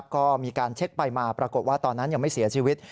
ก็มีการเช็คไปมาปรากฏว่าตอนนั้นยังไม่เสียชีวิต